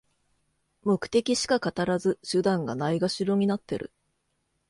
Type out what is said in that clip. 目的しか語らず、手段がないがしろになってる